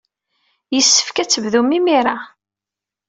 Yessefk ad tebdum imir-a.